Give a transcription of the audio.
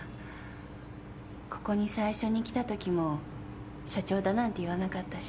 ここに最初に来たときも社長だなんて言わなかったし。